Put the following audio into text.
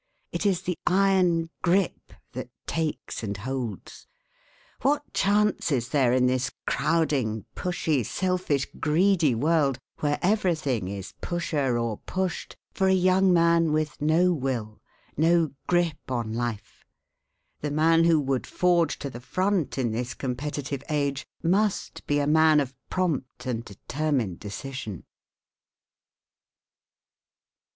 It is the iron grip that takes and holds. What chance is there in this crowding, pushing, selfish, greedy world, where everything is pusher or pushed, for a young man with no will, no grip on life? The man who would forge to the front in this competitive age must be a man of prompt and determined decision.